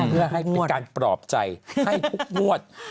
เพื่อให้การปรอบใจให้ทุกมวด